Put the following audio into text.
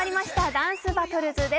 『ダンスバトルズ』です。